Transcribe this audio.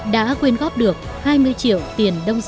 đã quyên góp được hai mươi triệu tiền đồng bào